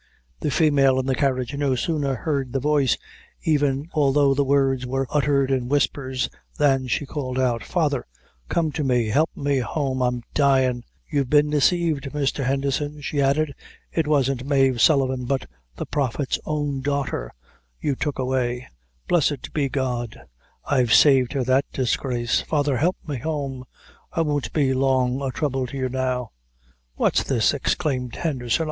The female in the carriage no sooner heard the voice, even although the words were uttered in whispers, than she called out "Father, come to me help me home I'm dyin'! You've been desaved, Mr. Henderson," she added. "It wasn't Mave Sullivan, but the Prophet's own daughter, you took away. Blessed be God, I've saved her that disgrace. Father, help me home. I won't be long a throuble to you now." "What's this!" exclaimed Henderson.